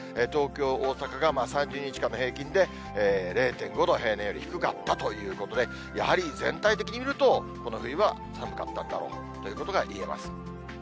東京、大阪が、３０日間の平均で０．５度、平年より低かったということで、やはり全体的に見ると、この冬は寒かったんだろうということがいえます。